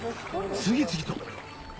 次々と！